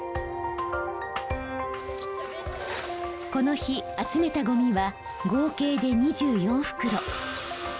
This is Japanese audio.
この日集めたゴミは合計で２４袋。